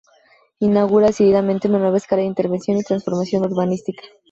Inaugura decididamente una nueva escala de intervención y transformación urbanística.